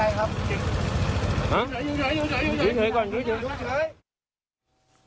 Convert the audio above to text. อยู่เฉย